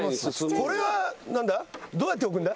これは何だ？